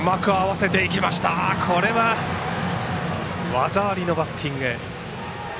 技ありのバッティング。